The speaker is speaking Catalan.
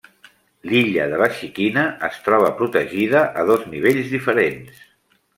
L'Illa de la Xiquina es troba protegida a dos nivells diferents.